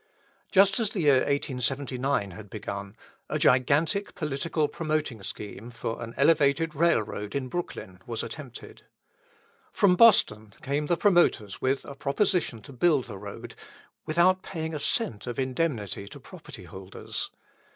Just as the year 1879 had begun, a gigantic political promoting scheme for an elevated railroad in Brooklyn was attempted. From Boston came the promoters with a proposition to build the road, without paying a cent of indemnity to property holders.